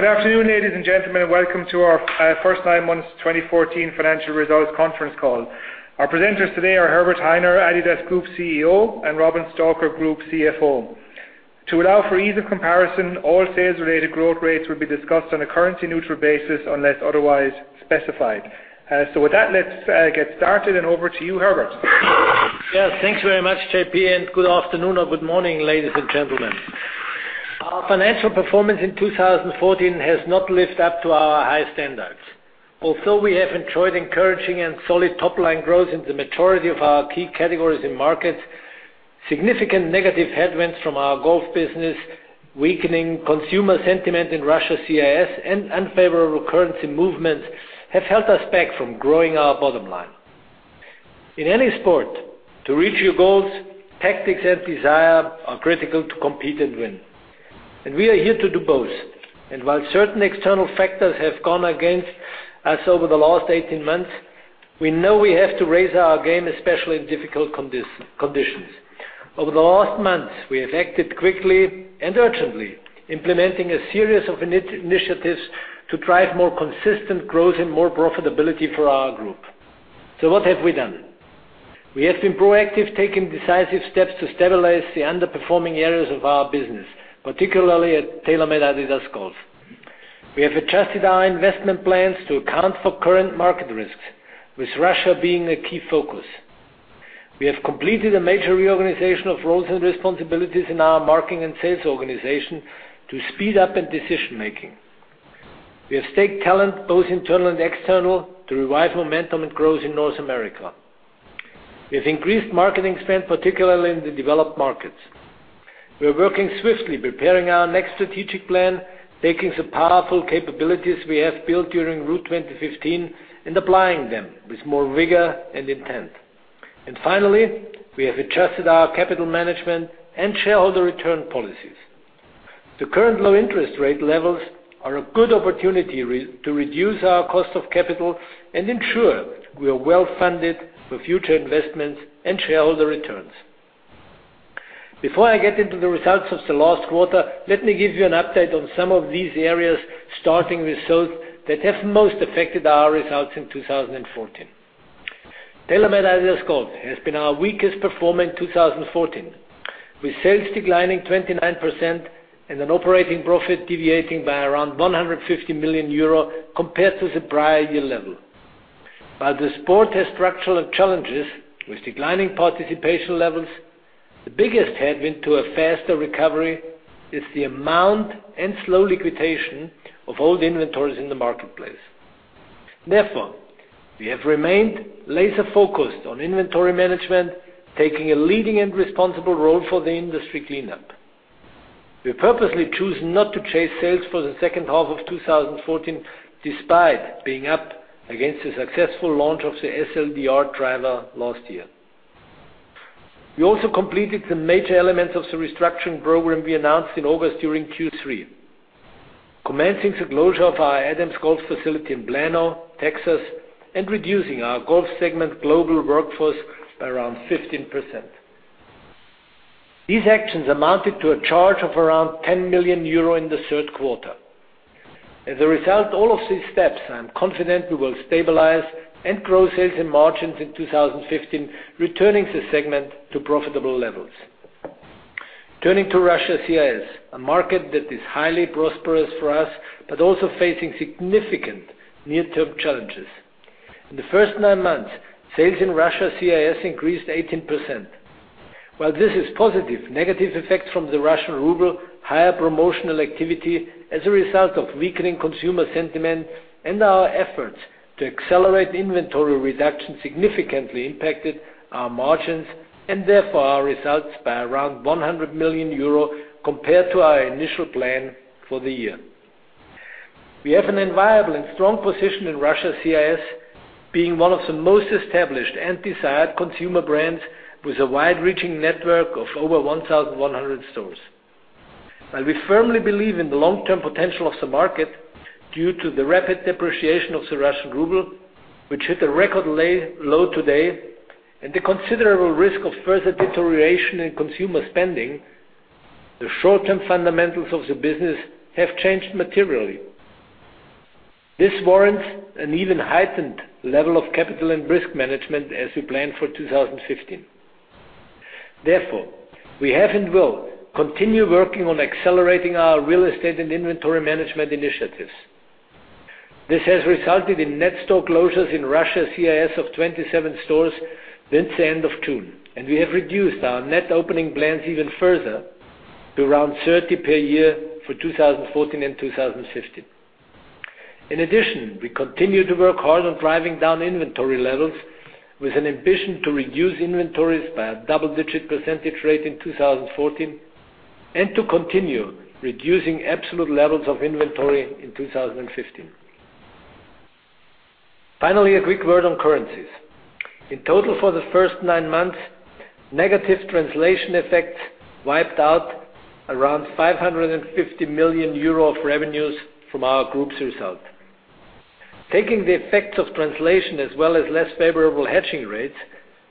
Good afternoon, ladies and gentlemen. Welcome to our first nine months 2014 financial results conference call. Our presenters today are Herbert Hainer, adidas AG CEO, and Robin Stalker, Group CFO. To allow for ease of comparison, all sales-related growth rates will be discussed on a currency neutral basis, unless otherwise specified. With that, let's get started, and over to you, Herbert. Yes. Thanks very much, JP, and good afternoon or good morning, ladies and gentlemen. Our financial performance in 2014 has not lived up to our high standards. Although we have enjoyed encouraging and solid top-line growth in the majority of our key categories and markets, significant negative headwinds from our golf business, weakening consumer sentiment in Russia-CIS, and unfavorable currency movements have held us back from growing our bottom line. In any sport, to reach your goals, tactics and desire are critical to compete and win, and we are here to do both. While certain external factors have gone against us over the last 18 months, we know we have to raise our game, especially in difficult conditions. Over the last months, we have acted quickly and urgently, implementing a series of initiatives to drive more consistent growth and more profitability for our group. What have we done? We have been proactive, taking decisive steps to stabilize the underperforming areas of our business, particularly at TaylorMade-adidas Golf. We have adjusted our investment plans to account for current market risks, with Russia being a key focus. We have completed a major reorganization of roles and responsibilities in our marketing and sales organization to speed up in decision-making. We have staked talent, both internal and external, to revive momentum and growth in North America. We have increased marketing spend, particularly in the developed markets. We are working swiftly, preparing our next strategic plan, taking the powerful capabilities we have built during Route 2015 and applying them with more rigor and intent. Finally, we have adjusted our capital management and shareholder return policies. The current low-interest rate levels are a good opportunity to reduce our cost of capital and ensure we are well-funded for future investments and shareholder returns. Before I get into the results of the last quarter, let me give you an update on some of these areas, starting with those that have most affected our results in 2014. TaylorMade-adidas Golf has been our weakest performer in 2014, with sales declining 29% and an operating profit deviating by around 150 million euro compared to the prior year level. While the sport has structural challenges with declining participation levels, the biggest headwind to a faster recovery is the amount and slow liquidation of old inventories in the marketplace. Therefore, we have remained laser-focused on inventory management, taking a leading and responsible role for the industry cleanup. We purposely choose not to chase sales for the second half of 2014, despite being up against the successful launch of the SLDR driver last year. We also completed the major elements of the restructuring program we announced in August during Q3, commencing the closure of our Adams Golf facility in Plano, Texas, and reducing our golf segment global workforce by around 15%. These actions amounted to a charge of around 10 million euro in the third quarter. As a result of all of these steps, I am confident we will stabilize and grow sales and margins in 2015, returning the segment to profitable levels. Turning to Russia-CIS, a market that is highly prosperous for us, but also facing significant near-term challenges. In the first nine months, sales in Russia-CIS increased 18%. While this is positive, negative effects from the Russian ruble, higher promotional activity as a result of weakening consumer sentiment, and our efforts to accelerate inventory reduction significantly impacted our margins, and therefore our results by around 100 million euro compared to our initial plan for the year. We have an enviable and strong position in Russia-CIS, being one of the most established and desired consumer brands with a wide-reaching network of over 1,100 stores. While we firmly believe in the long-term potential of the market, due to the rapid depreciation of the Russian ruble, which hit a record low today, and the considerable risk of further deterioration in consumer spending, the short-term fundamentals of the business have changed materially. This warrants an even heightened level of capital and risk management as we plan for 2015. We have and will continue working on accelerating our real estate and inventory management initiatives. This has resulted in net store closures in Russia-CIS of 27 stores since the end of June, and we have reduced our net opening plans even further to around 30 per year for 2014 and 2015. In addition, we continue to work hard on driving down inventory levels with an ambition to reduce inventories by a double-digit % rate in 2014, and to continue reducing absolute levels of inventory in 2015. Finally, a quick word on currencies. In total for the first nine months, negative translation effects wiped out around 550 million euro of revenues from our group's result. Taking the effects of translation as well as less favorable hedging rates,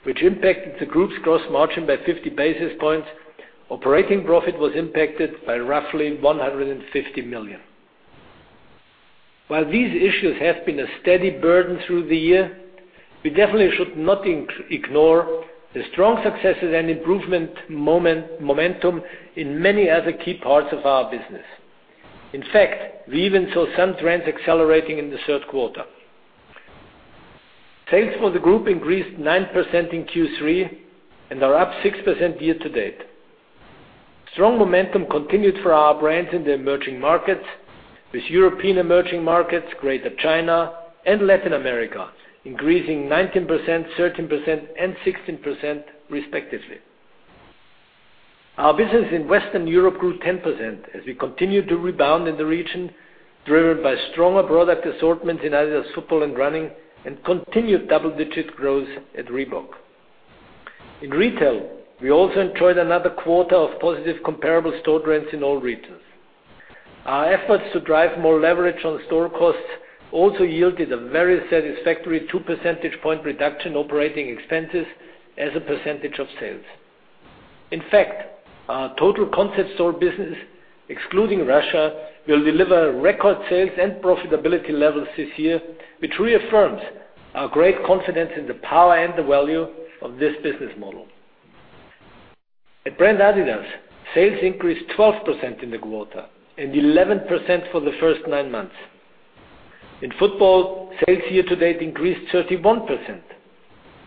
which impacted the group's gross margin by 50 basis points, operating profit was impacted by roughly 150 million. These issues have been a steady burden through the year, we definitely should not ignore the strong successes and improvement momentum in many other key parts of our business. In fact, we even saw some trends accelerating in the third quarter. Sales for the group increased 9% in Q3 and are up 6% year to date. Strong momentum continued for our brands in the emerging markets with European emerging markets, Greater China, and Latin America increasing 19%, 13%, and 16% respectively. Our business in Western Europe grew 10% as we continued to rebound in the region, driven by stronger product assortment in adidas Football and Running, and continued double-digit growth at Reebok. In retail, we also enjoyed another quarter of positive comparable store trends in all regions. Our efforts to drive more leverage on store costs also yielded a very satisfactory two percentage point reduction operating expenses as a percentage of sales. In fact, our total concept store business, excluding Russia, will deliver record sales and profitability levels this year, which reaffirms our great confidence in the power and the value of this business model. At brand adidas, sales increased 12% in the quarter and 11% for the first nine months. In football, sales year to date increased 31%.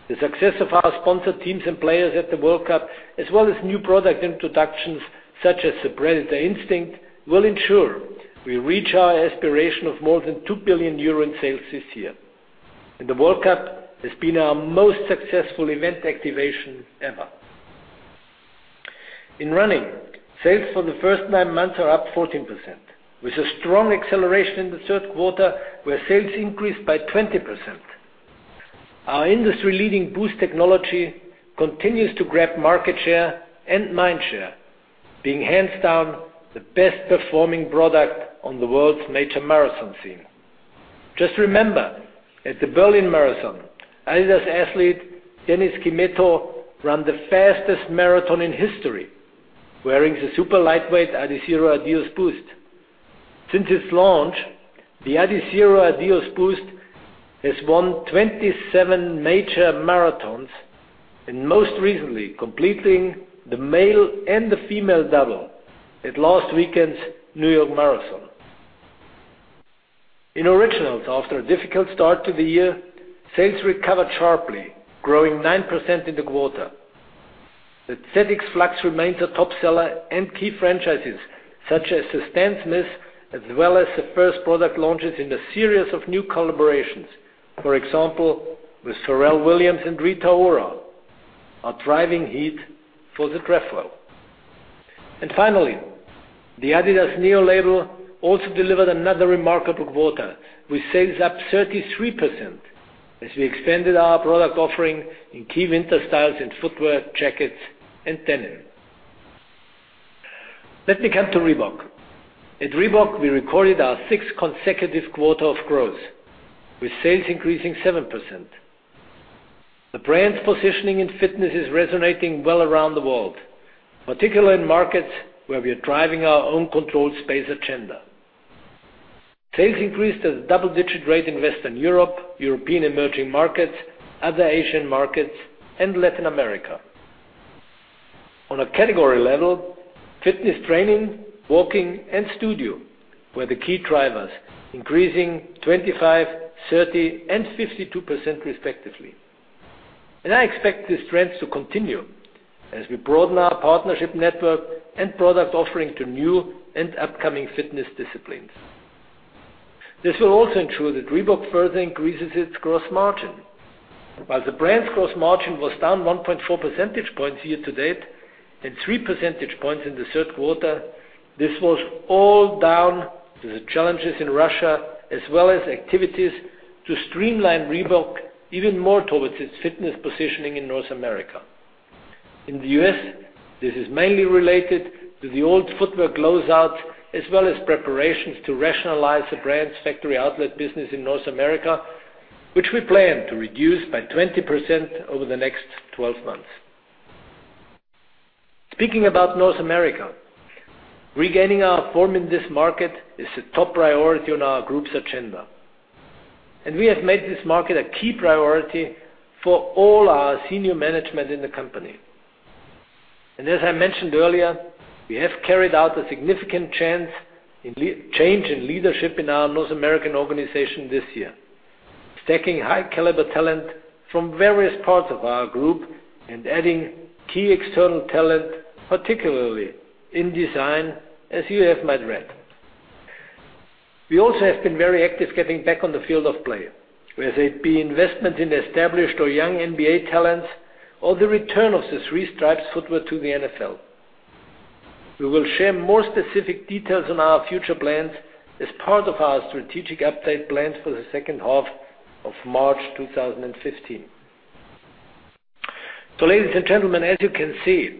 The success of our sponsored teams and players at the World Cup, as well as new product introductions such as the Predator Instinct, will ensure we reach our aspiration of more than 2 billion euro in sales this year. The World Cup has been our most successful event activation ever. In running, sales for the first nine months are up 14%, with a strong acceleration in the third quarter, where sales increased by 20%. Our industry-leading Boost technology continues to grab market share and mind share, being hands down the best-performing product on the world's major marathon scene. Just remember, at the Berlin Marathon, adidas athlete Dennis Kimetto ran the fastest marathon in history wearing the super lightweight adizero Adios Boost. Since its launch, the adizero Adios Boost has won 27 major marathons, and most recently, completing the male and the female double at last weekend's New York Marathon. In Originals, after a difficult start to the year, sales recovered sharply, growing 9% in the quarter. The ZX Flux remains a top seller, and key franchises such as the Stan Smith, as well as the first product launches in the series of new collaborations, for example, with Pharrell Williams and Rita Ora, are driving heat for the trefoil. Finally, the adidas NEO label also delivered another remarkable quarter with sales up 33% as we expanded our product offering in key winter styles in footwear, jackets, and denim. Let me come to Reebok. At Reebok, we recorded our sixth consecutive quarter of growth, with sales increasing 7%. The brand's positioning in fitness is resonating well around the world, particularly in markets where we are driving our own controlled space agenda. Sales increased at a double-digit rate in Western Europe, European emerging markets, other Asian markets, and Latin America. On a category level, fitness training, walking, and studio were the key drivers, increasing 25%, 30%, and 52%, respectively. I expect these trends to continue as we broaden our partnership network and product offering to new and upcoming fitness disciplines. This will also ensure that Reebok further increases its gross margin. While the brand's gross margin was down 1.4 percentage points year to date and three percentage points in the third quarter, this was all down to the challenges in Russia as well as activities to streamline Reebok even more towards its fitness positioning in North America. In the U.S., this is mainly related to the old footwear closeout, as well as preparations to rationalize the brand's factory outlet business in North America, which we plan to reduce by 20% over the next 12 months. Speaking about North America, regaining our form in this market is a top priority on our group's agenda, and we have made this market a key priority for all our senior management in the company. As I mentioned earlier, we have carried out a significant change in leadership in our North American organization this year, stacking high-caliber talent from various parts of our group and adding key external talent, particularly in design, as you have might read. We also have been very active getting back on the field of play, whether it be investment in established or young NBA talents or the return of the three-stripe footwear to the NFL. We will share more specific details on our future plans as part of our strategic update plans for the second half of March 2015. Ladies and gentlemen, as you can see,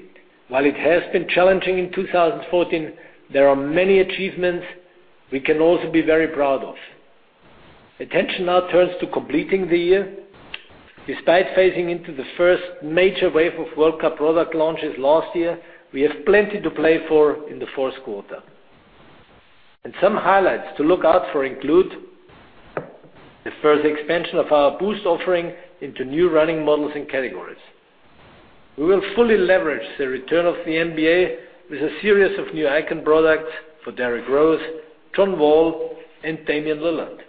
while it has been challenging in 2014, there are many achievements we can also be very proud of. Attention now turns to completing the year. Despite phasing into the first major wave of World Cup product launches last year, we have plenty to play for in the fourth quarter. Some highlights to look out for include the further expansion of our Boost offering into new running models and categories. We will fully leverage the return of the NBA with a series of new icon products for Derrick Rose, John Wall, and Damian Lillard.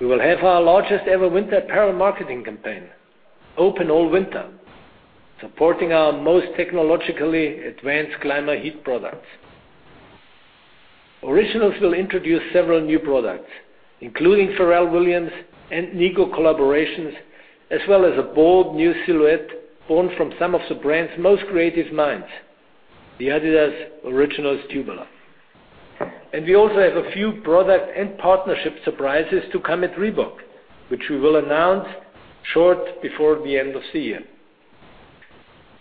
We will have our largest ever winter apparel marketing campaign, Open All Winter, supporting our most technologically advanced Climaheat products. Originals will introduce several new products, including Pharrell Williams and Nigo collaborations, as well as a bold new silhouette born from some of the brand's most creative minds, the adidas Originals Tubular. We also have a few product and partnership surprises to come at Reebok, which we will announce short before the end of the year.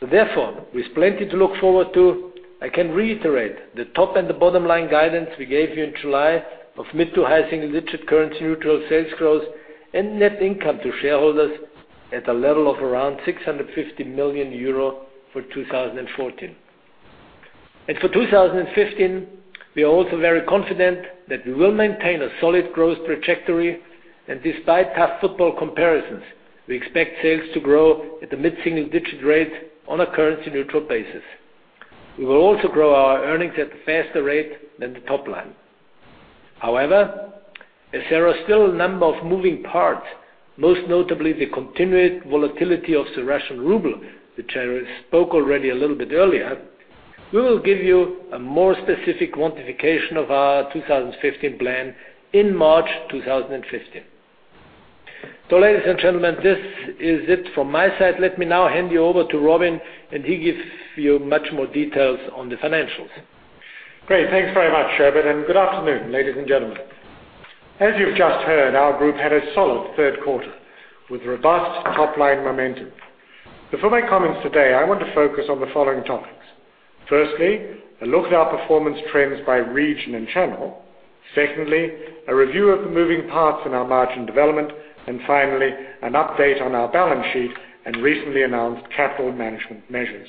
Therefore, with plenty to look forward to, I can reiterate the top and the bottom line guidance we gave you in July of mid to high single digit currency-neutral sales growth and net income to shareholders at a level of around 650 million euro for 2014. For 2015, we are also very confident that we will maintain a solid growth trajectory and despite tough football comparisons, we expect sales to grow at a mid-single digit rate on a currency-neutral basis. We will also grow our earnings at a faster rate than the top line. However, as there are still a number of moving parts, most notably the continued volatility of the Russian ruble, which I spoke already a little bit earlier, we will give you a more specific quantification of our 2015 plan in March 2015. Ladies and gentlemen, this is it from my side. Let me now hand you over to Robin and he gives you much more details on the financials. Great. Thanks very much, Herbert, and good afternoon, ladies and gentlemen. As you've just heard, our group had a solid third quarter with robust top-line momentum. For my comments today, I want to focus on the following topics. Firstly, a look at our performance trends by region and channel. Secondly, a review of the moving parts in our margin development. Finally, an update on our balance sheet and recently announced capital management measures.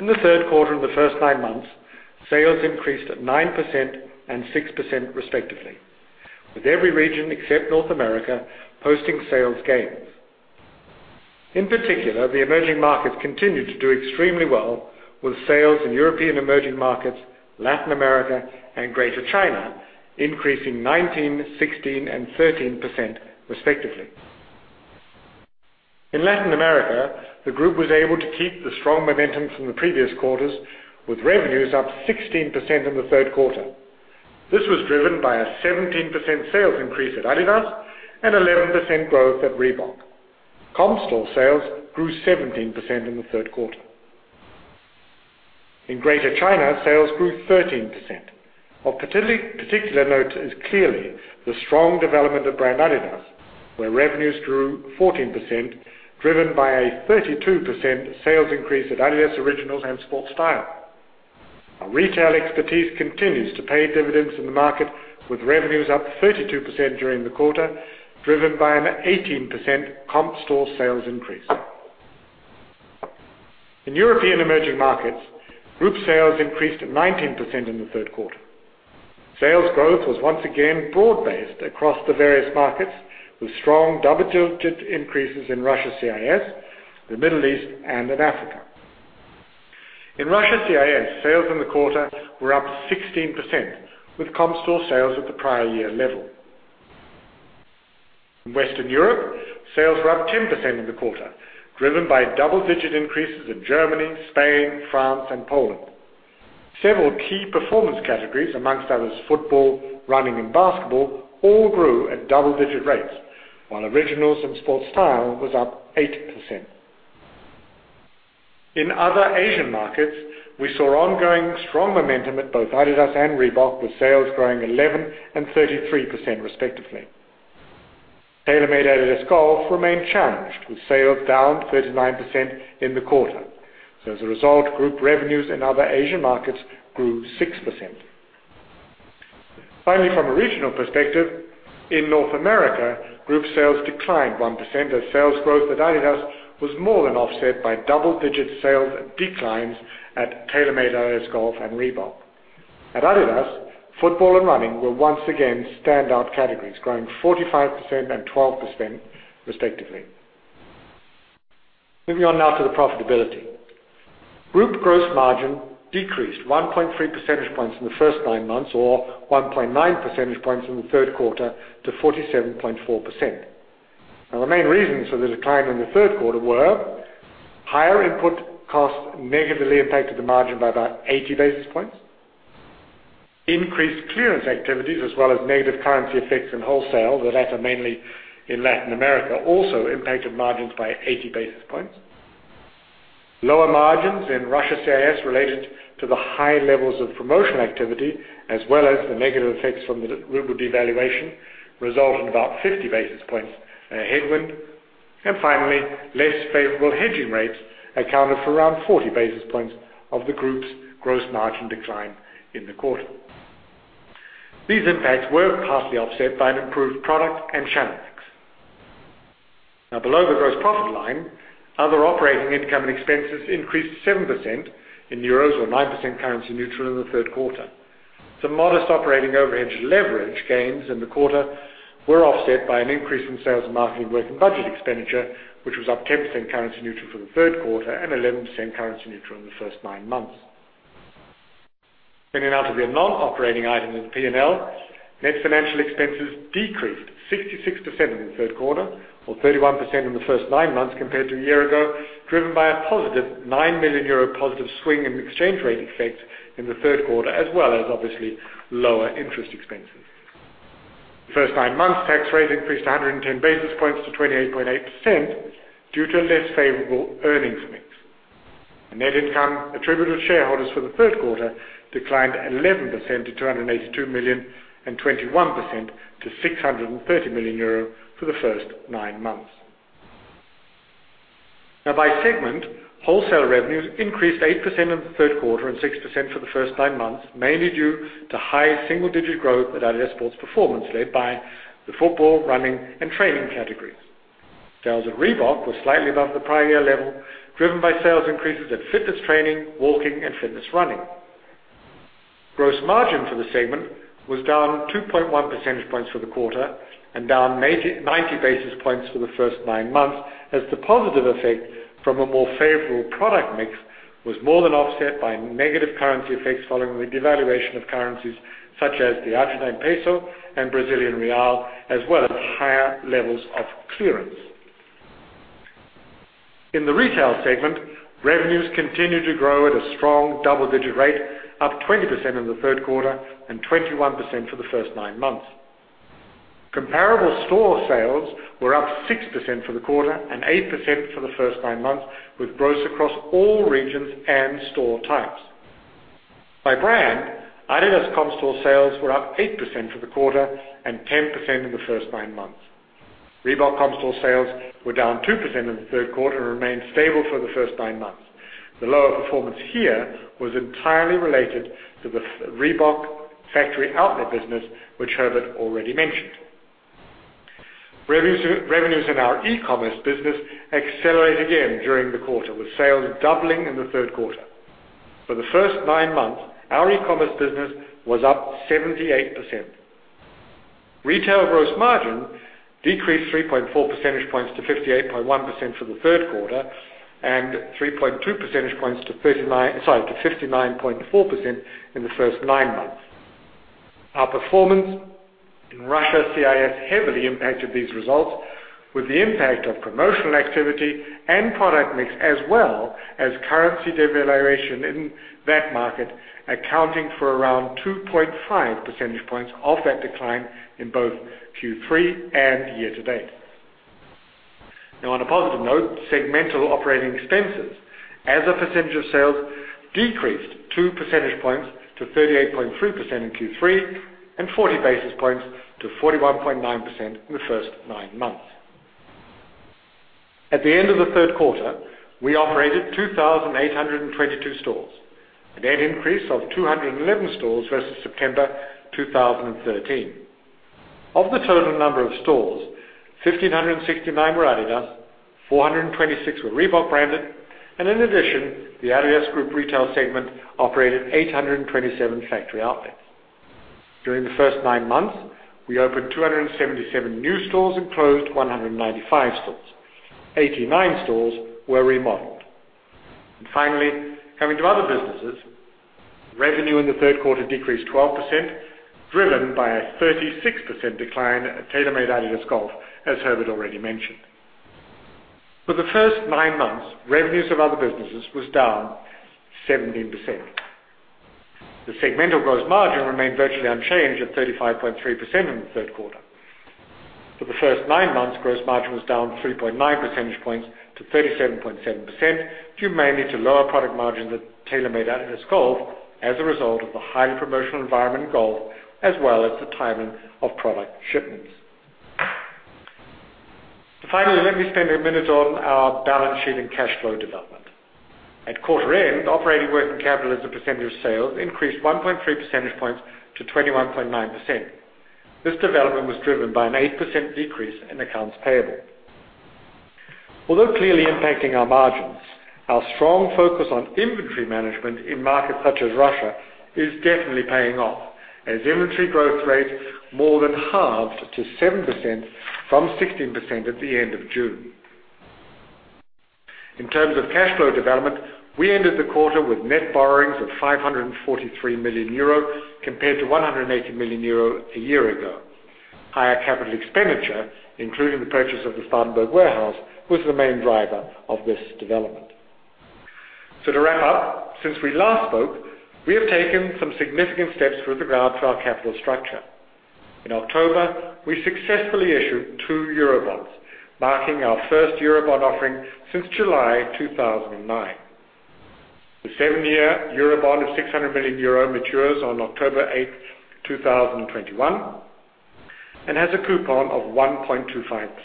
In the third quarter and the first nine months, sales increased at 9% and 6% respectively, with every region except North America posting sales gains. In particular, the emerging markets continued to do extremely well with sales in European emerging markets, Latin America, and Greater China, increasing 19%, 16%, and 13% respectively. In Latin America, the group was able to keep the strong momentum from the previous quarters, with revenues up 16% in the third quarter. This was driven by a 17% sales increase at adidas and 11% growth at Reebok. Comp store sales grew 17% in the third quarter. In Greater China, sales grew 13%. Of particular note is clearly the strong development of brand adidas, where revenues grew 14%, driven by a 32% sales increase at adidas Originals and Sportstyle. Our retail expertise continues to pay dividends in the market, with revenues up 32% during the quarter, driven by an 18% comp store sales increase. In European emerging markets, group sales increased at 19% in the third quarter. Sales growth was once again broad-based across the various markets, with strong double-digit increases in Russia CIS, the Middle East, and in Africa. In Russia CIS, sales in the quarter were up 16%, with comp store sales at the prior year level. In Western Europe, sales were up 10% in the quarter, driven by double-digit increases in Germany, Spain, France, and Poland. Several key performance categories, amongst others, football, running, and basketball, all grew at double-digit rates, while Originals and Sportstyle was up 8%. In other Asian markets, we saw ongoing strong momentum at both adidas and Reebok, with sales growing 11% and 33% respectively. TaylorMade-adidas Golf remained challenged, with sales down 39% in the quarter. As a result, group revenues in other Asian markets grew 6%. Finally, from a regional perspective, in North America, group sales declined 1% as sales growth at adidas was more than offset by double-digit sales declines at TaylorMade-adidas Golf and Reebok. At adidas, football and running were once again standout categories, growing 45% and 12% respectively. Moving on now to the profitability. Group gross margin decreased 1.3 percentage points in the first nine months or 1.9 percentage points in the third quarter to 47.4%. The main reasons for the decline in the third quarter were higher input costs negatively impacted the margin by about 80 basis points. Increased clearance activities as well as negative currency effects in wholesale, the latter mainly in Latin America, also impacted margins by 80 basis points. Lower margins in Russia CIS related to the high levels of promotional activity, as well as the negative effects from the ruble devaluation, result in about 50 basis points headwind. Finally, less favorable hedging rates accounted for around 40 basis points of the group's gross margin decline in the quarter. These impacts were partly offset by an improved product and channel mix. Below the gross profit line, other operating income and expenses increased 7% in EUR or 9% currency neutral in the third quarter. Some modest operating overhead leverage gains in the quarter were offset by an increase in sales and marketing working budget expenditure, which was up 10% currency neutral for the third quarter and 11% currency neutral in the first nine months. Turning to the non-operating items in the P&L, net financial expenses decreased 66% in the third quarter or 31% in the first nine months compared to a year ago, driven by a positive 9 million euro swing in exchange rate effects in the third quarter, as well as obviously lower interest expenses. The first nine months tax rate increased 110 basis points to 28.8% due to less favorable earnings mix. Net income attributable to shareholders for the third quarter declined 11% to 282 million and 21% to 630 million euro for the first nine months. By segment, wholesale revenues increased 8% in the third quarter and 6% for the first nine months, mainly due to high single-digit growth at adidas Sport Performance, led by the football, running, and training categories. Sales at Reebok were slightly above the prior year level, driven by sales increases at fitness training, walking, and fitness running. Gross margin for the segment was down 2.1 percentage points for the quarter and down 90 basis points for the first nine months as the positive effect from a more favorable product mix was more than offset by negative currency effects following the devaluation of currencies such as the Argentine peso and Brazilian real, as well as higher levels of clearance. In the retail segment, revenues continued to grow at a strong double-digit rate, up 20% in the third quarter and 21% for the first nine months. Comparable store sales were up 6% for the quarter and 8% for the first nine months, with growth across all regions and store types. By brand, adidas comp store sales were up 8% for the quarter and 10% in the first nine months. Reebok comp store sales were down 2% in the third quarter and remained stable for the first nine months. The lower performance here was entirely related to the Reebok factory outlet business, which Herbert already mentioned. Revenues in our e-commerce business accelerated again during the quarter, with sales doubling in the third quarter. For the first nine months, our e-commerce business was up 78%. Retail gross margin decreased 3.4 percentage points to 58.1% for the third quarter and 3.2 percentage points to 59.4% in the first nine months. Our performance in Russia CIS heavily impacted these results, with the impact of promotional activity and product mix as well as currency devaluation in that market accounting for around 2.5 percentage points of that decline in both Q3 and year to date. On a positive note, segmental operating expenses as a percentage of sales decreased two percentage points to 38.3% in Q3 and 40 basis points to 41.9% in the first nine months. At the end of the third quarter, we operated 2,822 stores, a net increase of 211 stores versus September 2013. Of the total number of stores, 1,569 were adidas, 426 were Reebok branded, and in addition, the adidas Group Retail segment operated 827 factory outlets. During the first nine months, we opened 277 new stores and closed 195 stores. 89 stores were remodeled. Finally, coming to other businesses, revenue in the third quarter decreased 12%, driven by a 36% decline at TaylorMade-adidas Golf, as Herbert already mentioned. For the first nine months, revenues of other businesses was down 17%. The segmental gross margin remained virtually unchanged at 35.3% in the third quarter. For the first nine months, gross margin was down 3.9 percentage points to 37.7%, due mainly to lower product margins at TaylorMade-adidas Golf as a result of the highly promotional environment in golf, as well as the timing of product shipments. Finally, let me spend a minute on our balance sheet and cash flow development. At quarter end, operating working capital as a percentage of sales increased 1.3 percentage points to 21.9%. This development was driven by an 8% decrease in accounts payable. Although clearly impacting our margins, our strong focus on inventory management in markets such as Russia is definitely paying off, as inventory growth rate more than halved to 7% from 16% at the end of June. In terms of cash flow development, we ended the quarter with net borrowings of 543 million euro compared to 180 million euro a year ago. Higher capital expenditure, including the purchase of the Spartanburg warehouse, was the main driver of this development. To wrap up, since we last spoke, we have taken some significant steps with regard to our capital structure. In October, we successfully issued two Eurobonds, marking our first Eurobond offering since July 2009. The seven-year Eurobond of 600 million euro matures on October 8th, 2021, and has a coupon of 1.25%.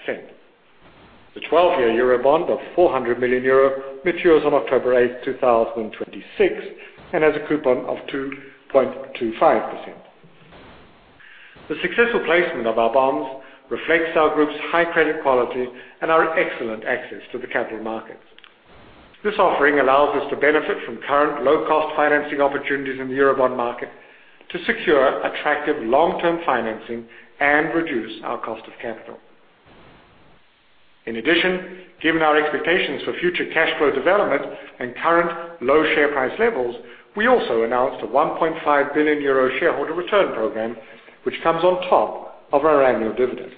The 12-year Eurobond of 400 million euro matures on October 8th, 2026, and has a coupon of 2.25%. The successful placement of our bonds reflects our group's high credit quality and our excellent access to the capital markets. This offering allows us to benefit from current low-cost financing opportunities in the Eurobond market to secure attractive long-term financing and reduce our cost of capital. In addition, given our expectations for future cash flow development and current low share price levels, we also announced a 1.5 billion euro shareholder return program, which comes on top of our annual dividend.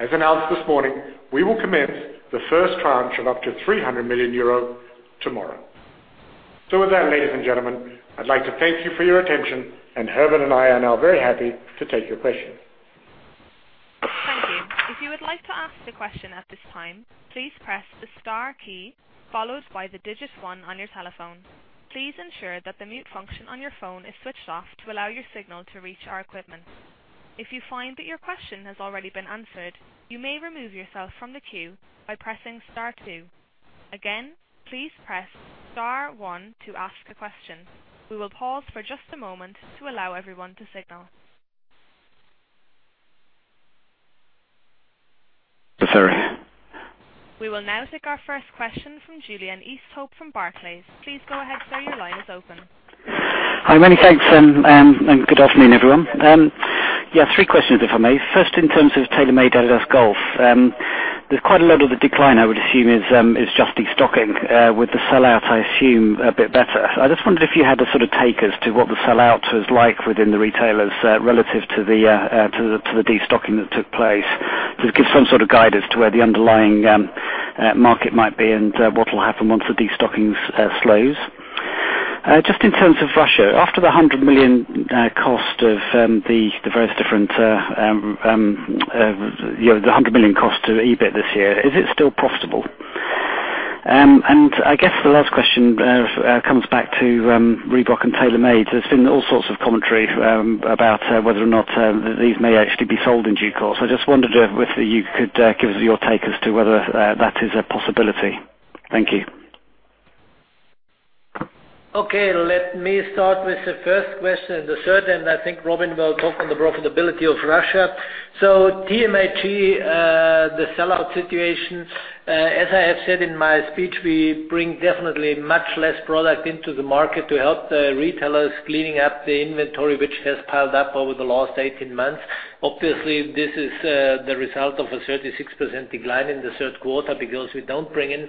As announced this morning, we will commence the first tranche of up to 300 million euro tomorrow. With that, ladies and gentlemen, I'd like to thank you for your attention, and Herbert and I are now very happy to take your questions. Thank you. If you would like to ask a question at this time, please press the star key followed by the digit one on your telephone. Please ensure that the mute function on your phone is switched off to allow your signal to reach our equipment. If you find that your question has already been answered, you may remove yourself from the queue by pressing star two. Again, please press star one to ask a question. We will pause for just a moment to allow everyone to signal. Sorry. We will now take our first question from Julian Easthope from Barclays. Please go ahead, sir. Your line is open. Hi, many thanks, good afternoon, everyone. Three questions, if I may. First, in terms of TaylorMade-adidas Golf, there's quite a lot of the decline I would assume is just destocking. With the sell-out, I assume a bit better. I just wondered if you had the sort of take as to what the sell-out was like within the retailers relative to the destocking that took place. Just give some sort of guidance to where the underlying market might be and what will happen once the destockings slows. Just in terms of Russia, after the 100 million cost to EBIT this year, is it still profitable? I guess the last question comes back to Reebok and TaylorMade. There's been all sorts of commentary about whether or not these may actually be sold in due course. I just wondered if you could give us your take as to whether that is a possibility. Thank you. Let me start with the first question, the third, I think Robin will talk on the profitability of Russia. TMAG, the sell-out situation, as I have said in my speech, we bring definitely much less product into the market to help the retailers cleaning up the inventory, which has piled up over the last 18 months. Obviously, this is the result of a 36% decline in the third quarter because we don't bring in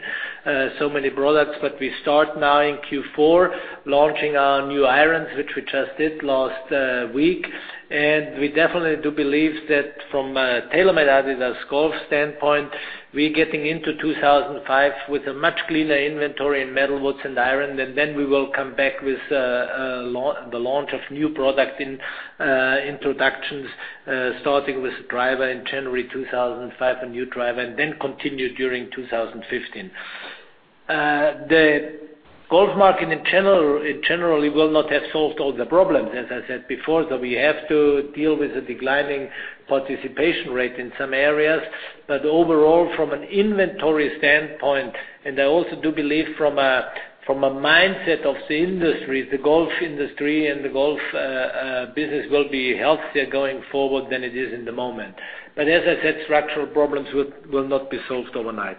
so many products, but we start now in Q4, launching our new irons, which we just did last week. We definitely do believe that from a TaylorMade-adidas Golf standpoint, we're getting into 2015 with a much cleaner inventory in metal woods and irons, then we will come back with the launch of new product introductions, starting with driver in January 2015, a new driver, then continue during 2015. The golf market in general will not have solved all the problems, as I said before. We have to deal with the declining participation rate in some areas, overall, from an inventory standpoint, and I also do believe from a mindset of the industry, the golf industry and the golf business will be healthier going forward than it is at the moment. As I said, structural problems will not be solved overnight.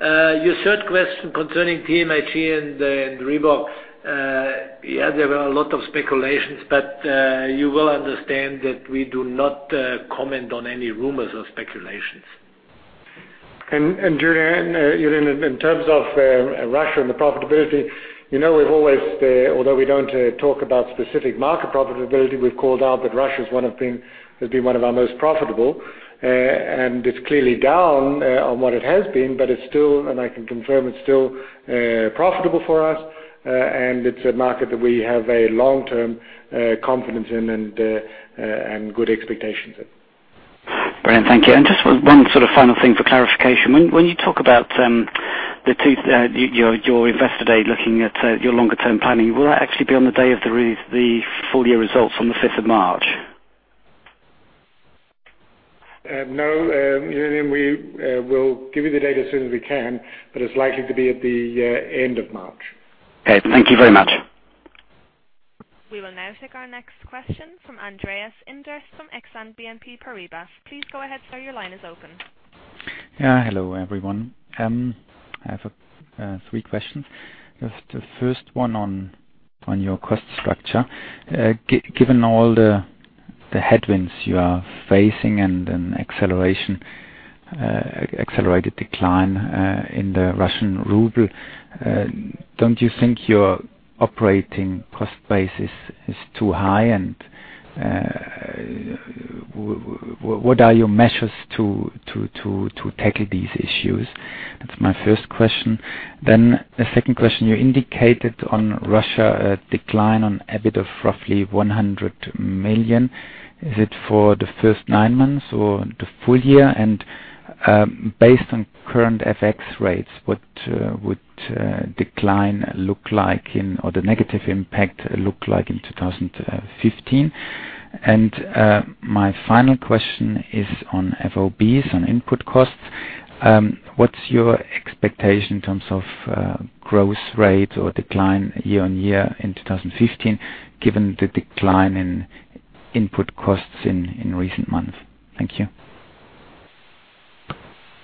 Your third question concerning TMAG and Reebok, there were a lot of speculations, you will understand that we do not comment on any rumors or speculations. Julian, in terms of Russia and the profitability, although we don't talk about specific market profitability, we've called out that Russia has been one of our most profitable, and it's clearly down on what it has been, it's still, and I can confirm it's still profitable for us, and it's a market that we have a long-term confidence in and good expectations in. Brilliant, thank you. Just one sort of final thing for clarification. When you talk about your investor day looking at your longer term planning, will that actually be on the day of the full year results on the 5th of March? No. We will give you the date as soon as we can, it's likely to be at the end of March. Okay. Thank you very much. We will now take our next question from Andreas Inderst from Exane BNP Paribas. Please go ahead, sir. Your line is open. Hello, everyone. I have three questions. Just the first one on your cost structure. Given all the headwinds you are facing and an accelerated decline in the Russian ruble, don't you think your operating cost base is too high? What are your measures to tackle these issues? That's my first question. The second question, you indicated on Russia, a decline on EBIT of roughly 100 million. Is it for the first nine months or the full year? Based on current FX rates, what would decline look like, or the negative impact look like in 2015? My final question is on FOBs and input costs. What's your expectation in terms of growth rate or decline year-over-year in 2015 given the decline in input costs in recent months? Thank you.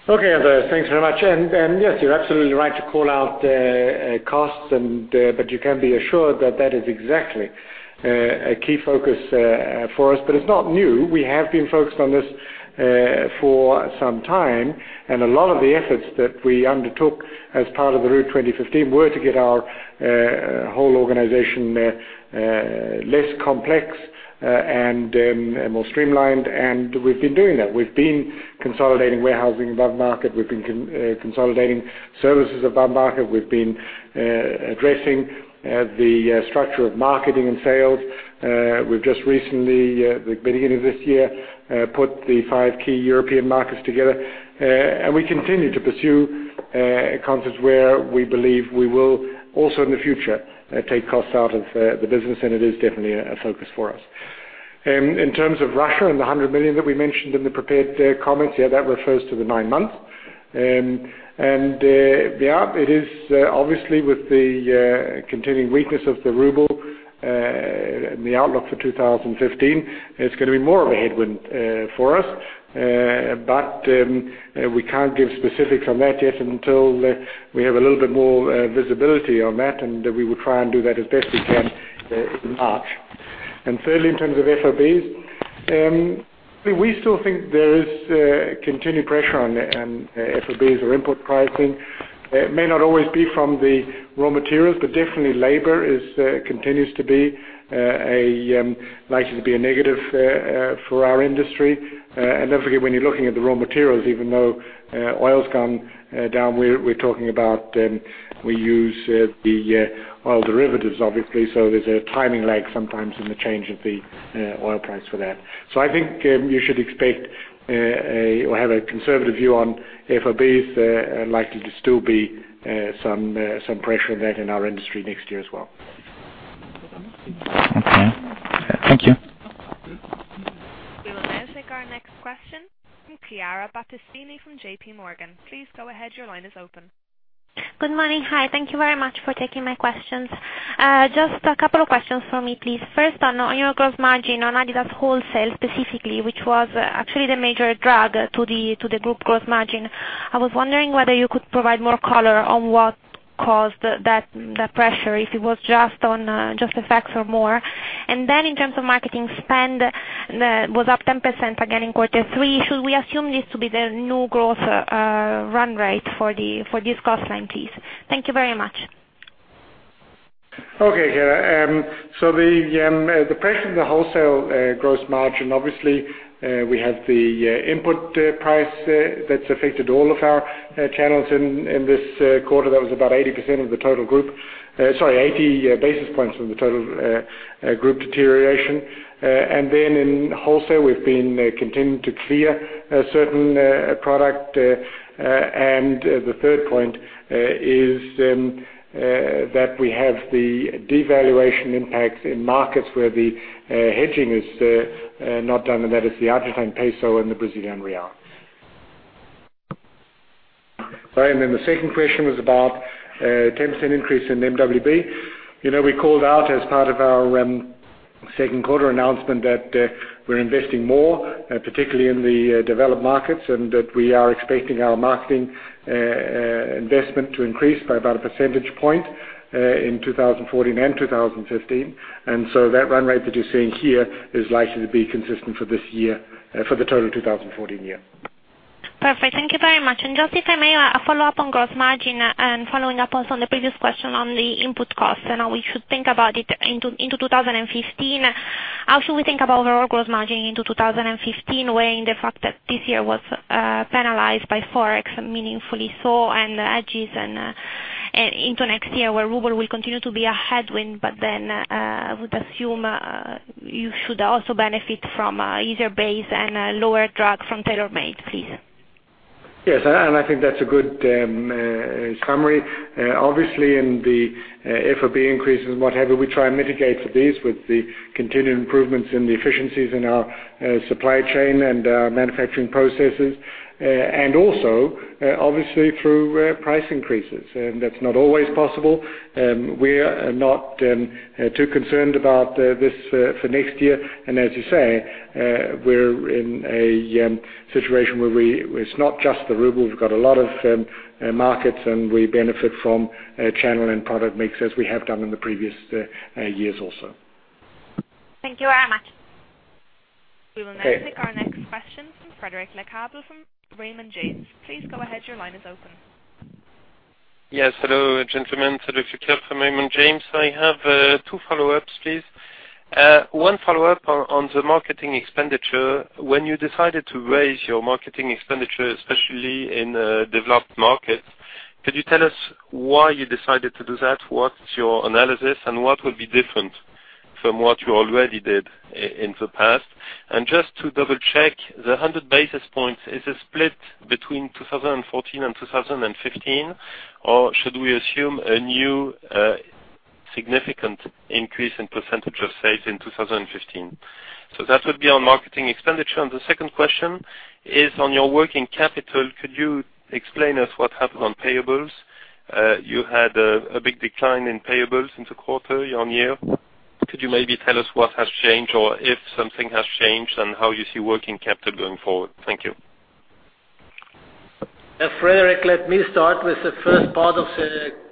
Okay, Andreas, thanks very much. Yes, you're absolutely right to call out costs, but you can be assured that that is exactly a key focus for us. It's not new. We have been focused on this for some time. A lot of the efforts that we undertook as part of Route 2015 were to get our whole organization less complex and more streamlined. We've been doing that. We've been consolidating warehousing above market. We've been consolidating services above market. We've been addressing the structure of marketing and sales. We've just recently, at the beginning of this year, put the five key European markets together. We continue to pursue concepts where we believe we will also in the future, take costs out of the business. It is definitely a focus for us. In terms of Russia and the 100 million that we mentioned in the prepared comments, that refers to the nine months. It is with the continuing weakness of the Russian ruble and the outlook for 2015, it's going to be more of a headwind for us. We can't give specifics on that yet until we have a little bit more visibility on that, and we will try and do that as best we can in March. Thirdly, in terms of FOBs, we still think there is continued pressure on FOBs or input pricing. It may not always be from the raw materials, but definitely labor continues to likely be a negative for our industry. Don't forget, when you're looking at the raw materials, even though oil's gone down, we use the oil derivatives, obviously. There's a timing lag sometimes in the change of the oil price for that. I think you should expect or have a conservative view on FOBs likely to still be some pressure on that in our industry next year as well. Okay. Thank you. We will now take our next question from Chiara Battistini from J.P. Morgan. Please go ahead, your line is open. Good morning. Hi. Thank you very much for taking my questions. Just a couple of questions for me, please. First on your gross margin on adidas wholesale specifically, which was actually the major drag to the group gross margin. I was wondering whether you could provide more color on what caused that pressure, if it was just on FX or more. In terms of marketing spend, was up 10% again in quarter three. Should we assume this to be the new growth run rate for this cost line, please? Thank you very much. Okay, Chiara. The pressure in the wholesale gross margin, obviously, we have the input price that's affected all of our channels in this quarter. That was about 80 basis points from the total group deterioration. In wholesale, we've been continuing to clear a certain product. The third point is that we have the devaluation impact in markets where the hedging is not done, that is the Argentine peso and the Brazilian real. The second question was about 10% increase in MWB. We called out as part of our second quarter announcement that we're investing more, particularly in the developed markets, that we are expecting our marketing investment to increase by about a percentage point in 2014 and 2015. That run rate that you're seeing here is likely to be consistent for the total 2014 year. Perfect. Thank you very much. Just if I may, a follow-up on gross margin and following up also on the previous question on the input cost and how we should think about it into 2015. How should we think about overall gross margin into 2015, weighing the fact that this year was penalized by Forex and meaningfully so, and hedges, into next year where ruble will continue to be a headwind, I would assume you should also benefit from easier base and a lower drag from TaylorMade, please. Yes, I think that's a good summary. Obviously, in the FOB increases and what have you, we try and mitigate for these with the continued improvements in the efficiencies in our supply chain and our manufacturing processes. Also, obviously through price increases. That's not always possible. We're not too concerned about this for next year. As you say, we're in a situation where it's not just the ruble. We've got a lot of markets, and we benefit from channel and product mix as we have done in the previous years also. Thank you very much. Okay. We will now take our next question from Cédric Lecasble from Raymond James. Please go ahead, your line is open. Yes. Hello, gentlemen. Cédric Lecasble from Raymond James. I have two follow-ups, please. One follow-up on the marketing expenditure. When you decided to raise your marketing expenditure, especially in developed markets, could you tell us why you decided to do that? What's your analysis, and what will be different from what you already did in the past? Just to double-check, the 100 basis points, is a split between 2014 and 2015, or should we assume a new, significant increase in percentage of sales in 2015? So that would be on marketing expenditure. The second question is on your working capital. Could you explain to us what happened on payables? You had a big decline in payables in the quarter year-on-year. Could you maybe tell us what has changed, or if something has changed, and how you see working capital going forward? Thank you. Frederic, let me start with the first part of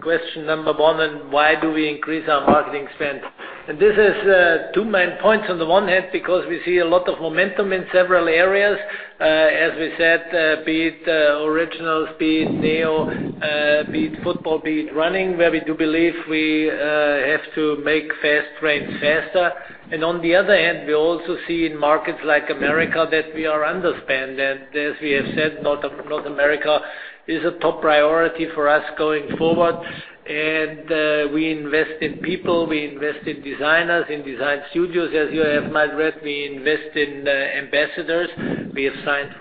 question number 1, why do we increase our marketing spend. This is two main points. On the one hand, because we see a lot of momentum in several areas. As we said, be it Originals, be it Neo, be it Football, be it Running, where we do believe we have to make fast brands faster. On the other hand, we also see in markets like America that we are underspent. As we have said, North America is a top priority for us going forward. We invest in people, we invest in designers, in design studios, as you have might read. We invest in ambassadors. We have signed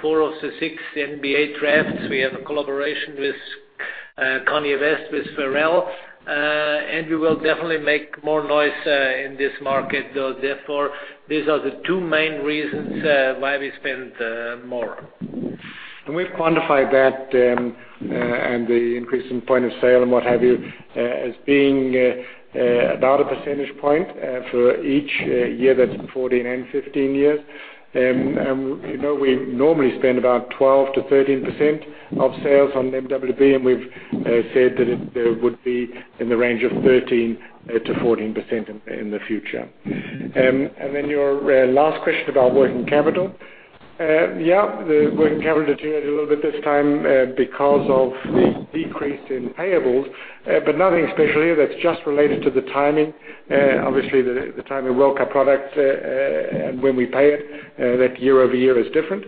four of the six NBA drafts. We have a collaboration with Kanye West, with Pharrell. We will definitely make more noise in this market. Therefore, these are the two main reasons why we spend more. We've quantified that and the increase in point of sale and what have you, as being about a percentage point for each year. That's 2014 and 2015 years. You know we normally spend about 12%-13% of sales on MWB, and we've said that it would be in the range of 13%-14% in the future. Then your last question about working capital. Yeah, the working capital deteriorated a little bit this time because of the decrease in payables, but nothing special here. That's just related to the timing. Obviously, the timing of World Cup products, and when we pay it, that year-over-year is different.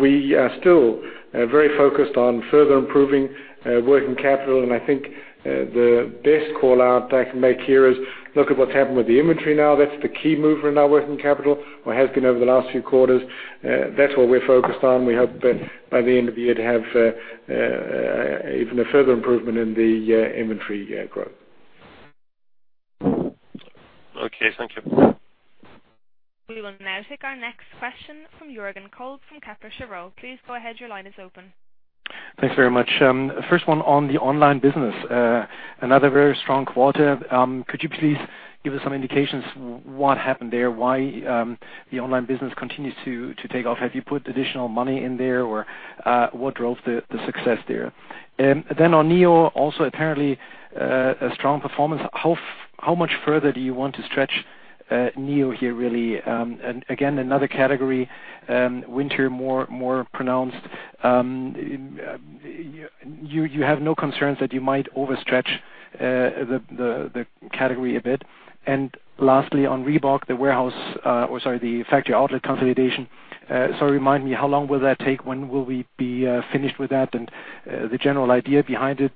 We are still very focused on further improving working capital. I think the best call-out I can make here is look at what's happened with the inventory now. That's the key mover in our working capital, or has been over the last few quarters. That's what we're focused on. We hope that by the end of the year to have even a further improvement in the inventory growth. Okay, thank you. We will now take our next question from Jürgen Kolb from Kepler Cheuvreux. Please go ahead. Your line is open. Thanks very much. First one on the online business. Another very strong quarter. Could you please give us some indications what happened there? Why the online business continues to take off? Have you put additional money in there, or what drove the success there? On Neo, also apparently a strong performance. How much further do you want to stretch Neo here, really? Again, another category, winter more pronounced. You have no concerns that you might overstretch the category a bit? Lastly, on Reebok, the factory outlet consolidation. Sorry, remind me, how long will that take? When will we be finished with that, and the general idea behind it,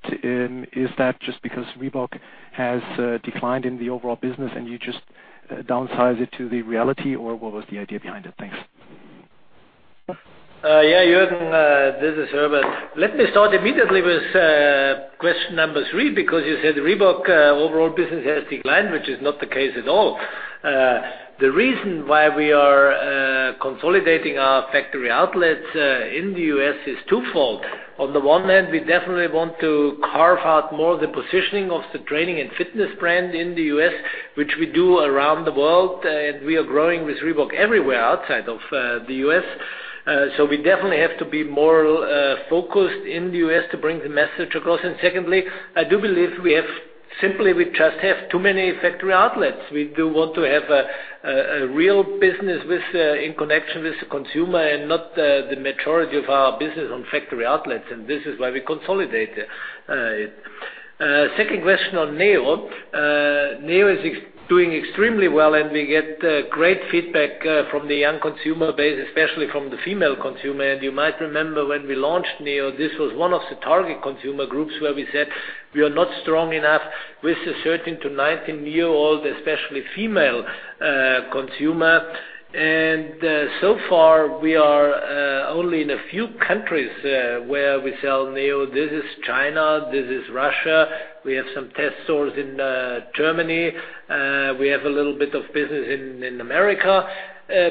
is that just because Reebok has declined in the overall business and you just downsize it to the reality, or what was the idea behind it? Thanks. Yeah, Jürgen, this is Herbert. Let me start immediately with question numbers three, because you said Reebok overall business has declined, which is not the case at all. The reason why we are consolidating our factory outlets in the U.S. is twofold. On the one hand, we definitely want to carve out more of the positioning of the training and fitness brand in the U.S., which we do around the world. We are growing with Reebok everywhere outside of the U.S. We definitely have to be more focused in the U.S. to bring the message across. Secondly, I do believe we just have too many factory outlets. We do want to have a real business in connection with the consumer and not the majority of our business on factory outlets. This is why we consolidate it. Second question on Neo. Neo is doing extremely well, we get great feedback from the young consumer base, especially from the female consumer. You might remember when we launched Neo, this was one of the target consumer groups where we said we are not strong enough with the 13 to 19-year-old, especially female consumer. So far, we are only in a few countries where we sell Neo. This is China. This is Russia. We have some test stores in Germany. We have a little bit of business in America.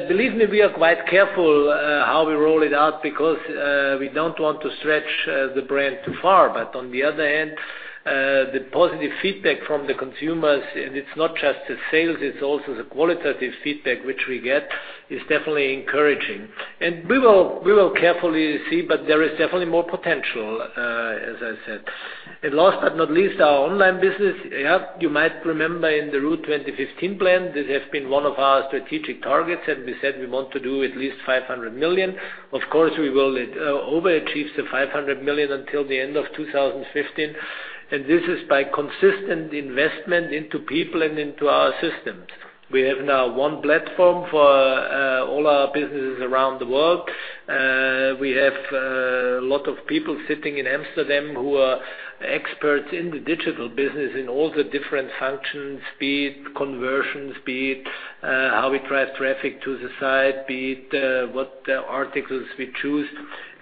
Believe me, we are quite careful how we roll it out because we don't want to stretch the brand too far. On the other hand, the positive feedback from the consumers, and it's not just the sales, it's also the qualitative feedback which we get, is definitely encouraging. We will carefully see, there is definitely more potential As I said. Last but not least, our online business. You might remember in the Route 2015 plan, this has been one of our strategic targets, we said we want to do at least 500 million. Of course, we will overachieve the 500 million until the end of 2015. This is by consistent investment into people and into our systems. We have now one platform for all our businesses around the world. We have a lot of people sitting in Amsterdam who are experts in the digital business in all the different functions, be it conversion, be it how we drive traffic to the site, be it what articles we choose,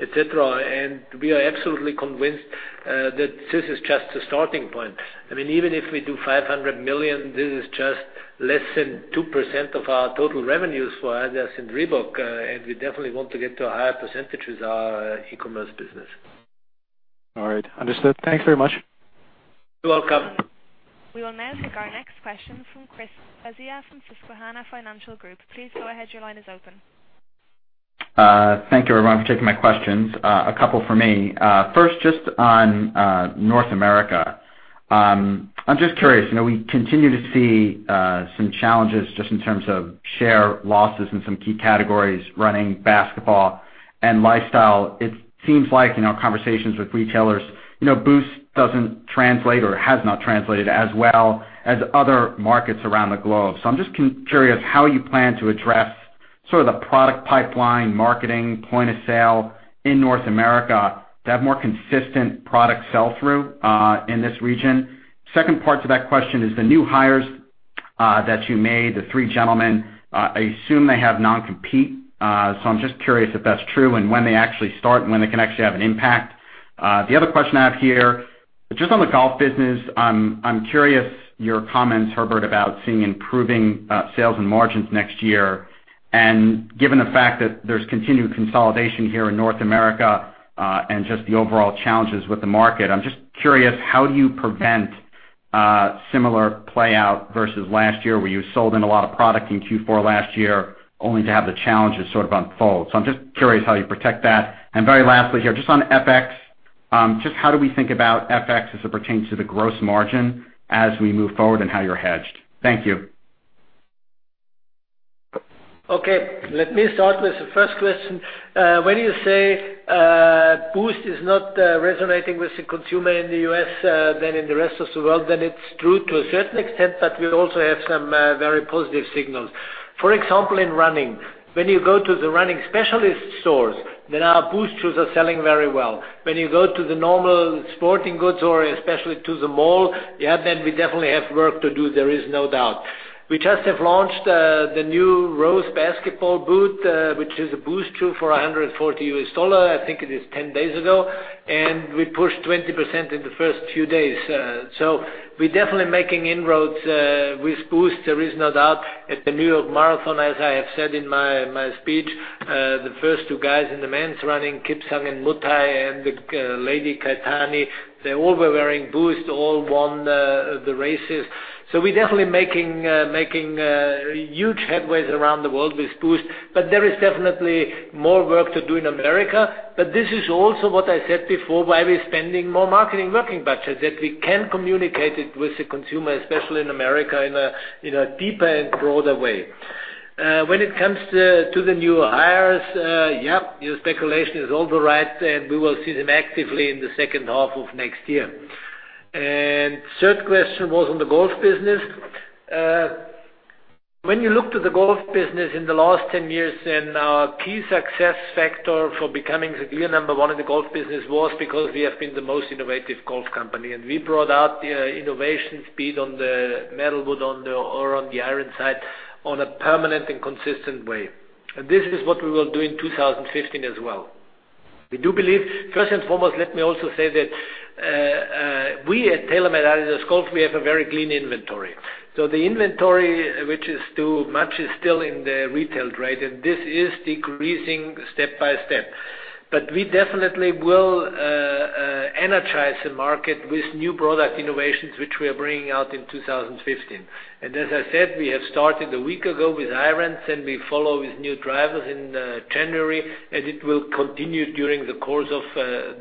et cetera. We are absolutely convinced that this is just the starting point. Even if we do 500 million, this is just less than 2% of our total revenues for adidas and Reebok, we definitely want to get to a higher percentage with our e-commerce business. All right. Understood. Thanks very much. You're welcome. We will now take our next question from Christopher Svezia from Susquehanna Financial Group. Please go ahead. Your line is open. Thank you everyone for taking my questions. A couple from me. First, just on North America. I'm just curious, we continue to see some challenges just in terms of share losses in some key categories, running, basketball, and lifestyle. It seems like, conversations with retailers, Boost doesn't translate or has not translated as well as other markets around the globe. I'm just curious how you plan to address sort of the product pipeline marketing point of sale in North America to have more consistent product sell-through, in this region. Second part to that question is the new hires that you made, the three gentlemen. I assume they have non-compete. I'm just curious if that's true and when they actually start and when they can actually have an impact. The other question I have here, just on the golf business, I'm curious your comments, Herbert, about seeing improving sales and margins next year. Given the fact that there's continued consolidation here in North America, and just the overall challenges with the market, I'm just curious, how do you prevent similar play-out versus last year where you sold in a lot of product in Q4 last year, only to have the challenges sort of unfold. I'm just curious how you protect that. Very lastly here, just on FX. Just how do we think about FX as it pertains to the gross margin as we move forward and how you're hedged? Thank you. Okay. Let me start with the first question. When you say Boost is not resonating with the consumer in the U.S. than in the rest of the world, then it's true to a certain extent, but we also have some very positive signals. For example, in running. When you go to the running specialist stores, then our Boost shoes are selling very well. When you go to the normal sporting goods or especially to the mall, yeah, then we definitely have work to do, there is no doubt. We just have launched the new Rose basketball boot, which is a Boost shoe for $140, I think it is 10 days ago. We pushed 20% in the first few days. We're definitely making inroads with Boost, there is no doubt. At the New York Marathon, as I have said in my speech, the first two guys in the men's running, Kipsang and Mutai, and the lady, Keitany, they all were wearing Boost, all won the races. We're definitely making huge headways around the world with Boost. There is definitely more work to do in America. This is also what I said before, why we're spending more marketing working budget, that we can communicate it with the consumer, especially in America, in a deeper and broader way. When it comes to the new hires, yeah, your speculation is also right, and we will see them actively in the second half of next year. Third question was on the golf business. When you look to the golf business in the last 10 years, then our key success factor for becoming the clear number one in the golf business was because we have been the most innovative golf company. We brought out innovations, be it on the metal wood or on the iron side, on a permanent and consistent way. This is what we will do in 2015 as well. First and foremost, let me also say that, we at TaylorMade-adidas Golf, we have a very clean inventory. The inventory which is too much is still in the retail trade, and this is decreasing step by step. We definitely will energize the market with new product innovations, which we are bringing out in 2015. As I said, we have started a week ago with irons, and we follow with new drivers in January, and it will continue during the course of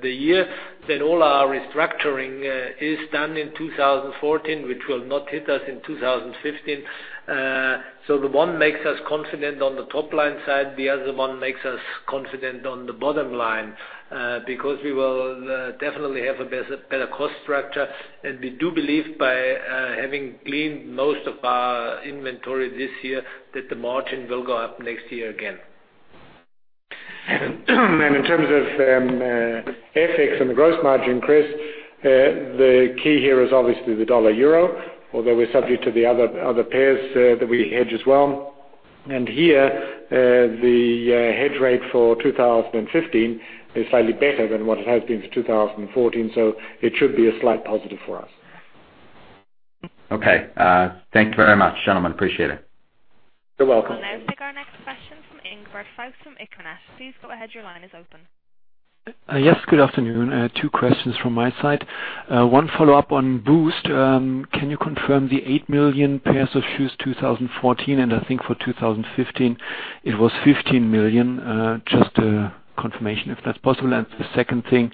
the year. All our restructuring is done in 2014, which will not hit us in 2015. The one makes us confident on the top-line side, the other one makes us confident on the bottom line, because we will definitely have a better cost structure. We do believe by having cleaned most of our inventory this year, that the margin will go up next year again. In terms of FX and the gross margin, Chris, the key here is obviously the dollar/euro, although we're subject to the other pairs that we hedge as well. Here, the hedge rate for 2015 is slightly better than what it has been for 2014. It should be a slight positive for us. Thanks very much, gentlemen. Appreciate it. You're welcome. I'll now take our next question from Ingbert Faust from Equinet. Please go ahead, your line is open. Yes, good afternoon. Two questions from my side. One follow-up on Boost. Can you confirm the eight million pairs of shoes 2014, and I think for 2015 it was 15 million? Just a confirmation, if that's possible. The second thing,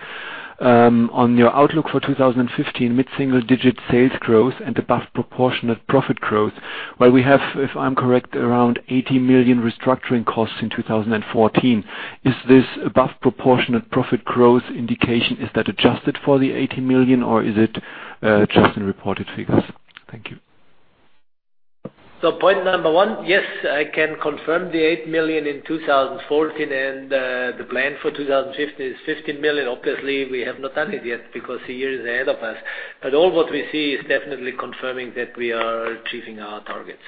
on your outlook for 2015, mid-single-digit sales growth and above proportionate profit growth, while we have, if I'm correct, around 80 million restructuring costs in 2014. Is this above proportionate profit growth indication, is that adjusted for the 80 million, or is it just in reported figures? Thank you. Point number one, yes, I can confirm the eight million in 2014 and the plan for 2015 is 15 million. Obviously, we have not done it yet because the year is ahead of us. All what we see is definitely confirming that we are achieving our targets.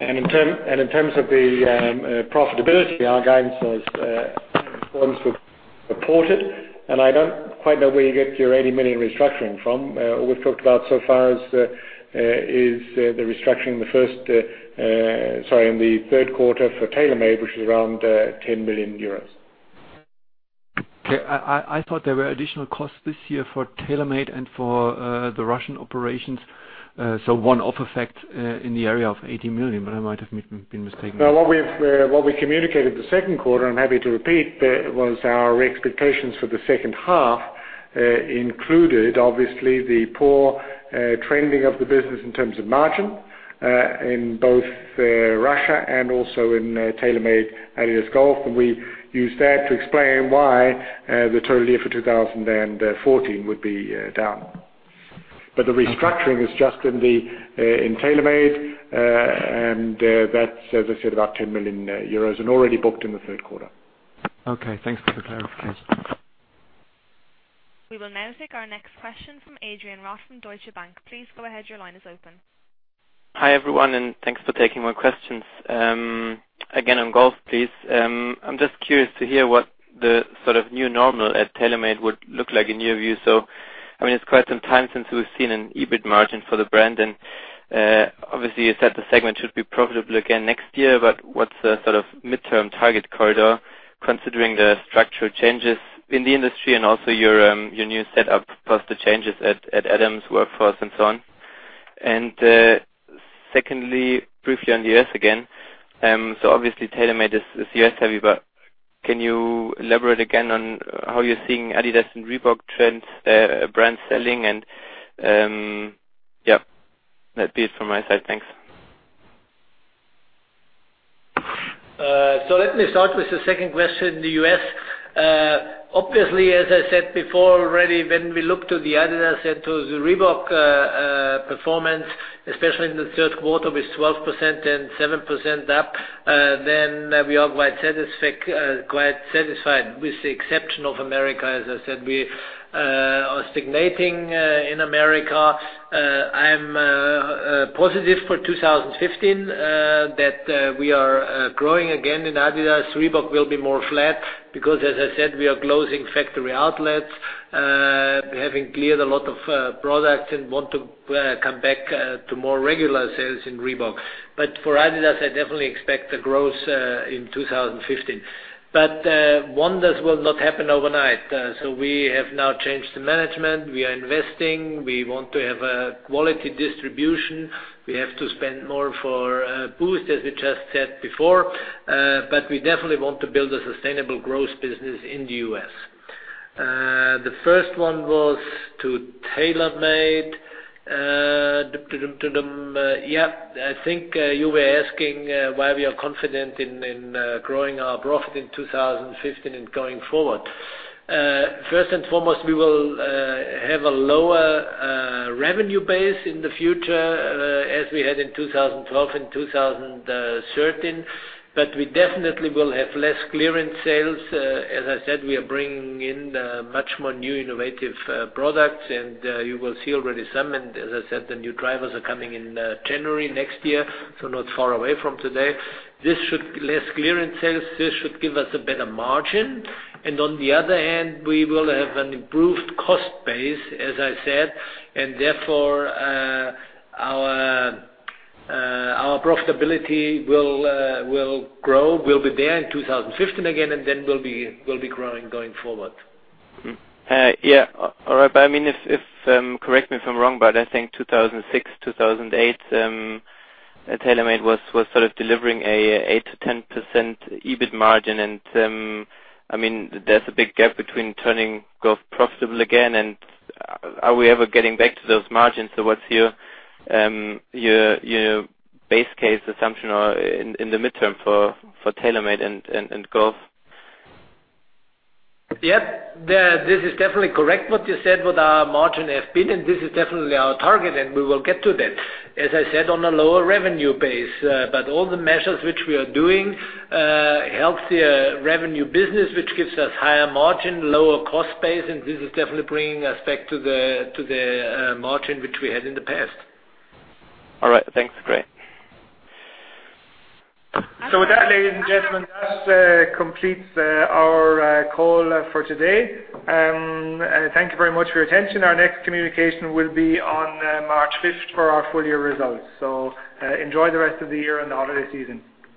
In terms of the profitability, our guidance was reported, and I don't quite know where you get your 80 million restructuring from. All we've talked about so far is the restructuring in the third quarter for TaylorMade, which is around 10 million euros. Okay. I thought there were additional costs this year for TaylorMade and for the Russian operations. One-off effect in the area of 80 million, I might have been mistaken. No, what we communicated the second quarter, I'm happy to repeat, that was our expectations for the second half, included obviously the poor trending of the business in terms of margin, in both Russia and also in TaylorMade-adidas Golf. We used that to explain why the total year for 2014 would be down. The restructuring is just in TaylorMade, and that's, as I said, about 10 million euros and already booked in the third quarter. Okay, thanks for the clarification. We will now take our next question from Adrian Rott from Deutsche Bank. Please go ahead, your line is open. Hi, everyone, thanks for taking my questions. Again, on golf, please. I'm just curious to hear what the sort of new normal at TaylorMade would look like in your view. It's quite some time since we've seen an EBIT margin for the brand, and obviously you said the segment should be profitable again next year, but what's the sort of midterm target corridor, considering the structural changes in the industry and also your new set up plus the changes at Adams' workforce and so on? Secondly, briefly on the U.S. again. Obviously TaylorMade is U.S. heavy, but can you elaborate again on how you're seeing adidas and Reebok brand selling? That'd be it from my side. Thanks. Let me start with the second question, the U.S. Obviously, as I said before already, when we look to the adidas and to the Reebok performance, especially in the third quarter with 12% and 7% up, then we are quite satisfied with the exception of America. As I said, we are stagnating in America. I'm positive for 2015 that we are growing again in adidas. Reebok will be more flat because, as I said, we are closing factory outlets, having cleared a lot of products and want to come back to more regular sales in Reebok. For adidas, I definitely expect a growth in 2015. Wonders will not happen overnight. We have now changed the management. We are investing. We want to have a quality distribution. We have to spend more for Boost, as we just said before. We definitely want to build a sustainable growth business in the U.S. The first one was to TaylorMade. I think you were asking why we are confident in growing our profit in 2015 and going forward. First and foremost, we will have a lower revenue base in the future as we had in 2012 and 2013, but we definitely will have less clearance sales. As I said, we are bringing in much more new innovative products, and you will see already some. As I said, the new drivers are coming in January next year, so not far away from today. Less clearance sales, this should give us a better margin, and on the other hand, we will have an improved cost base, as I said, and therefore our profitability will grow, will be there in 2015 again, and then will be growing going forward. Yeah. All right. Correct me if I'm wrong, I think 2006, 2008, TaylorMade was sort of delivering an 8% to 10% EBIT margin, and there's a big gap between turning golf profitable again and are we ever getting back to those margins? What's your base case assumption or in the midterm for TaylorMade and golf? Yeah. This is definitely correct what you said, what our margin has been, and this is definitely our target, and we will get to that, as I said, on a lower revenue base. All the measures which we are doing helps the revenue business, which gives us higher margin, lower cost base, and this is definitely bringing us back to the margin which we had in the past. All right. Thanks. Great. With that, ladies and gentlemen, that completes our call for today. Thank you very much for your attention. Our next communication will be on March 5th for our full-year results. Enjoy the rest of the year and the holiday season.